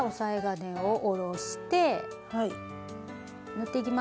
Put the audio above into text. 縫っていきます。